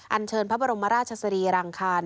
เชิญพระบรมราชสรีรังคาร